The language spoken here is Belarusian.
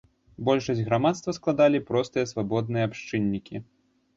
Большасць грамадства складалі простыя свабодныя абшчыннікі.